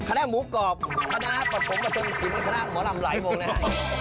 คณะหมูกรอกคณะปฐมสัตว์ปฎงทินคณะหมอลำไหลบองเลย